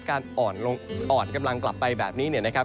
การอ่อนกำลังกลับไปแบบนี้นะครับ